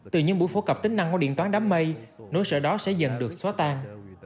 từ những buổi phổ cập tính năng của điện toán đám mây nỗi sợ đó sẽ dần được xóa tan